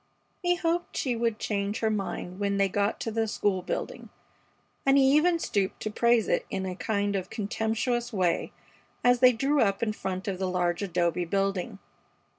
He hoped she would change her mind when they got to the school building, and he even stooped to praise it in a kind of contemptuous way as they drew up in front of the large adobe building.